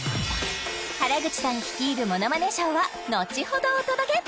原口さん率いるものまねＳＨＯＷは後ほどお届け！